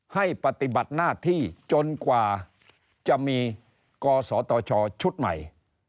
ให้ปฏิบัติหน้าที่จนกว่าจะมีกศตชชุดใหม่